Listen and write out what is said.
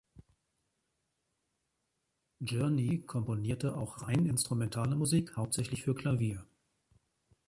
Gurney komponierte auch rein instrumentale Musik, hauptsächlich für Klavier.